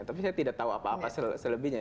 tapi saya tidak tahu apa apa selebihnya